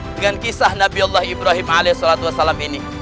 dengan kisah nabi allah ibrahim alayhi salatu wasalam ini